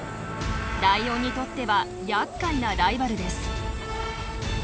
ライオンにとってはやっかいなライバルです。